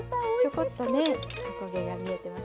ちょこっとねお焦げが見えてます。